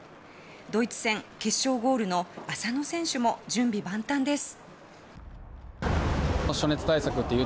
ドイツ戦、決勝ゴールの浅野選手も準備万端です。